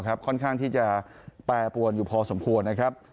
ค่อนข้างที่จะแปรปวนอยู่พอสมควรนะครับ